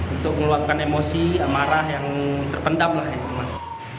untuk meluangkan emosi amarah yang terpendam lah itu mas